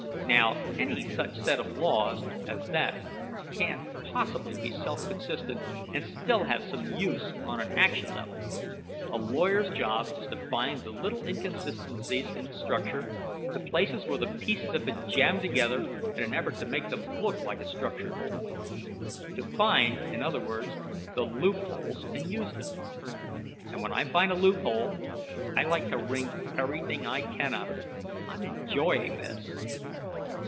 "Now, any such set of laws as that can't possibly be self consistent and still have some use on an action level. A lawyer's job is to find the little inconsistencies in the structure, the places where the pieces have been jammed together in an effort to make them look like a structured whole. To find, in other words, the loopholes and use them. "And when I find a loophole, I like to wring everything I can out of it. I'm enjoying this."